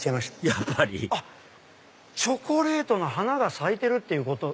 やっぱりチョコレートの花が咲いてるっていうこと。